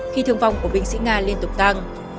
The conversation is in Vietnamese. khi thương vong của binh sĩ nga liên tục tăng